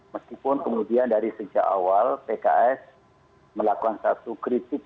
meskipun kemudian dari sejak awal pks melakukan satu kritik